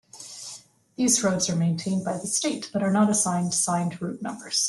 These roads are maintained by the state but are not assigned signed route numbers.